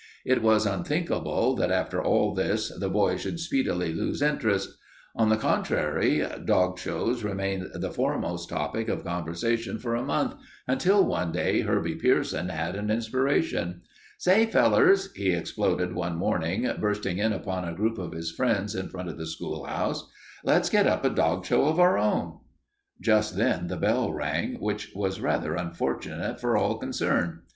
It was unthinkable that, after all this, the boys should speedily lose interest. On the contrary, dog shows remained the foremost topic of conversation for a month, until one day Herbie Pierson had an inspiration. "Say, fellers," he exploded one morning, bursting in upon a group of his friends in front of the schoolhouse, "let's get up a dog show of our own." Just then the bell rang, which was rather unfortunate for all concerned.